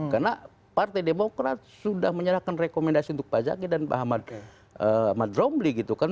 karena partai demokrat sudah menyerahkan rekomendasi untuk pak zaki dan pak ahmad dromli gitu kan